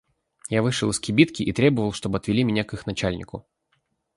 Я вышел из кибитки и требовал, чтоб отвели меня к их начальнику.